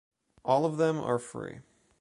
All of them are free.